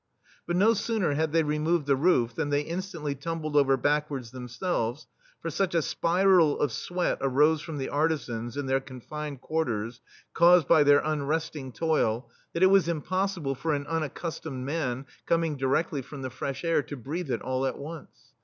But no sooner had they removed the roof than they in stantly tumbled over backwards them selves, for such a spiral * of sweat arose from the artisans in their confined quar ters, caused by their unresting toil, that ♦Uneducated for stench." THE STEEL FLEA it was impossible for an unaccustomed man, coming diredtly from the fresh air, to breathe it all at once.